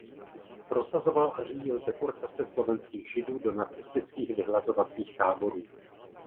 Prosazoval a řídil deportace slovenských Židů do nacistických vyhlazovacích táborů.